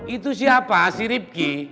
itu siapa si ripki